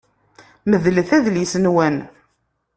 Medlet adlis-nwen.